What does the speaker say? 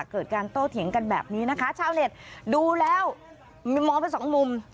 เกิดการโต้เถียงกันแบบนี้นะคะชาวเน็ตดูแล้วมีมองไปสองมุม